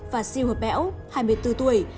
và siêu hợp bẽo hai mươi bốn tuổi